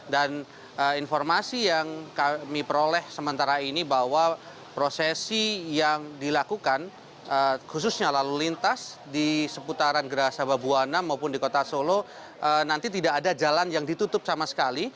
dan informasi yang kami peroleh sementara ini bahwa prosesi yang dilakukan khususnya lalu lintas di seputaran gerahasaba buwana maupun di kota solo nanti tidak ada jalan yang ditutup sama sekali